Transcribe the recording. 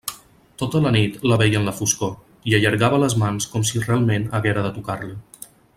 Tota la nit la veia en la foscor, i allargava les mans com si realment haguera de tocar-la.